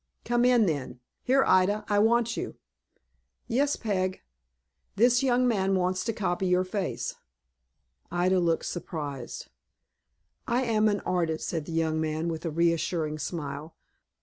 "Come in, then. Here, Ida, I want you." "Yes, Peg." "This young man wants to copy your face." Ida looked surprised. "I am an artist," said the young man, with a reassuring smile.